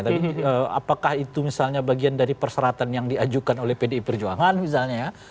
tapi apakah itu misalnya bagian dari perseratan yang diajukan oleh pdi perjuangan misalnya ya